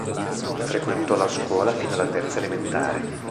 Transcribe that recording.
Frequentò la scuola fino alla terza elementare.